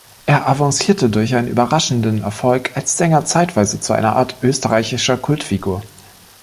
Er avancierte durch einen überraschenden Erfolg als Sänger zeitweise zu einer Art österreichischer Kultfigur.